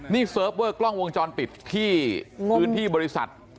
นี่เซิร์ฟเวอร์กล้องวงจรปิดที่พื้นที่บริษัท